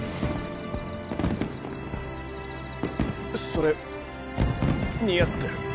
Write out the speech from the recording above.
それ似合ってる。